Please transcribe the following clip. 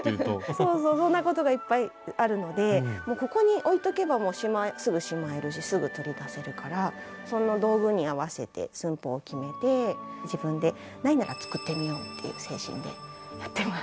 そうそうそんなことがいっぱいあるのでここに置いておけばすぐしまえるしすぐ取り出せるからその道具に合わせて寸法を決めて自分でないなら作ってみようっていう精神でやってます。